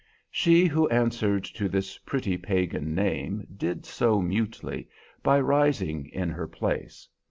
She who answered to this pretty pagan name did so mutely by rising in her place.